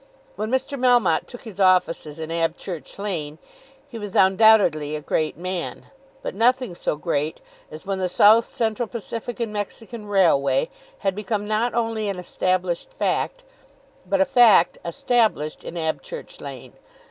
When Mr. Melmotte took his offices in Abchurch Lane, he was undoubtedly a great man, but nothing so great as when the South Central Pacific and Mexican Railway had become not only an established fact, but a fact established in Abchurch Lane.